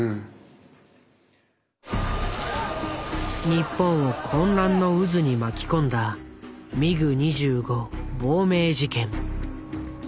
日本を混乱の渦に巻き込んだミグ２５亡命事件。